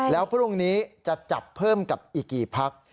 แล้วพรุ่งนี้จะจับเพิ่มกับอีกกี่พัก